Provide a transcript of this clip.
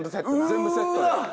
全部セットで。